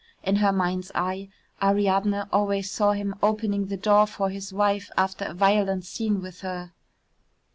In her mind's eye Ariadne always saw him opening the door for his wife after a violent scene with her).